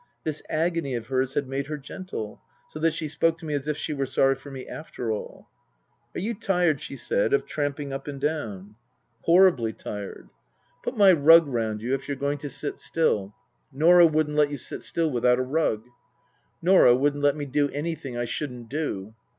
This agony of hers had made her gentle, so that she spoke to me as if she were sorry for me after all. " Are you tired," she said, " of tramping up and down ?" 284 Tasker Jevons " Horribly tired." " Put my rug round you if you're going to sit still. Norah wouldn't let you sit still without a rug." " Norah wouldn't let me do anything I shouldn't do."